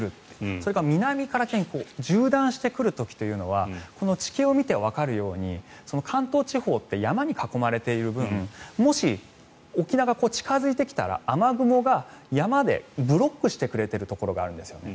それから南から縦断してくる時というのは地形を見てもわかるように関東地方って山に囲まれている分もし、沖縄から近付いてきたら雨雲が山でブロックしてくれているところがあるんですよね。